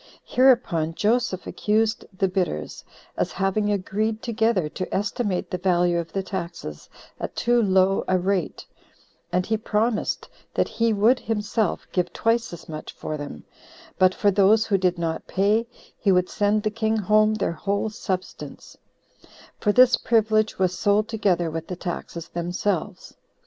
Hereupon Joseph accused the bidders, as having agreed together to estimate the value of the taxes at too low a rate; and he promised that he would himself give twice as much for them: but for those who did not pay, he would send the king home their whole substance; for this privilege was sold together with the taxes themselves.